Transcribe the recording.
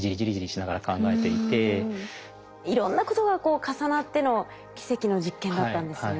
いろんなことが重なっての奇跡の実験だったんですね。